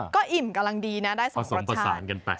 ก็อิ่มกำลังดีนะได้ผสมผสานกันไป